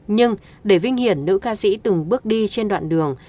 nhưng để vinh hiển nữ ca sĩ từng bước đi trên đoạn đường